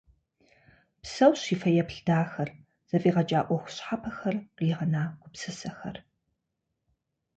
Псэущ и фэеплъ дахэр, зэфӏигъэкӏа ӏуэху щхьэпэхэр, къигъэна гупсысэхэр.